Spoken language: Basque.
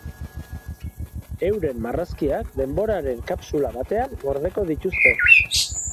Euren marrazkiak denboraren kapsula batean gordeko dituzte.